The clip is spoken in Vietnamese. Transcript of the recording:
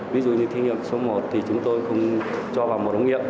ví dụ như thí nghiệm số một thì chúng tôi không cho vào một ống nghiệm